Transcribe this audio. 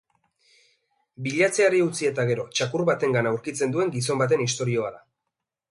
Bilatzeari utzi eta gero txakur batengan aurkitzen duen gizon baten istorioa da.